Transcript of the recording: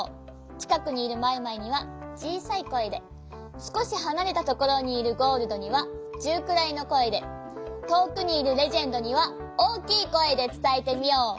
ちかくにいるマイマイにはちいさいこえですこしはなれたところにいるゴールドにはちゅうくらいのこえでとおくにいるレジェンドにはおおきいこえでつたえてみよう。